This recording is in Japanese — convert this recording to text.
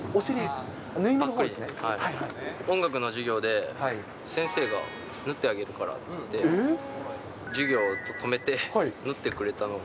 音楽の授業で先生が、縫ってあげるからって言って、授業を止めて縫ってくれたのが。